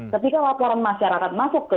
ketika laporan masyarakat masuk ke